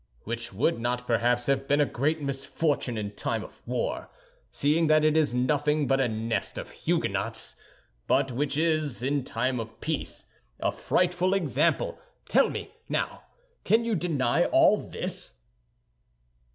—which would not, perhaps, have been a great misfortune in time of war, seeing that it is nothing but a nest of Huguenots, but which is, in time of peace, a frightful example. Tell me, now, can you deny all this?"